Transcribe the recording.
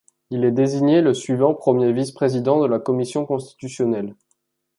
Il est désigné le suivant premier vice-président de la commission constitutionnelle.